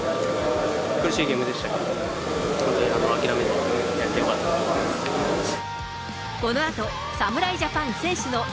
苦しいゲームでしたけど、本当に諦めずにやってよかったと思います。